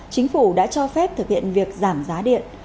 chính phủ đã cho phép thực hiện việc giảm giá điện